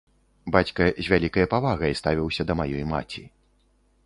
Бацька з вялікай павагай ставіўся да маёй маці.